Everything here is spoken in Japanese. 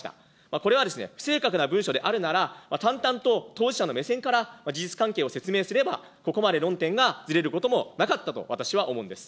これは不正確な文書であるなら、淡々と当事者の目線から事実関係を説明すれば、ここまで論点がずれることもなかったと、私は思うんです。